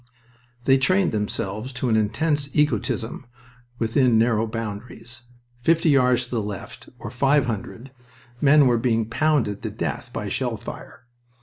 They trained themselves to an intense egotism within narrow boundaries. Fifty yards to the left, or five hundred, men were being pounded to death by shell fire.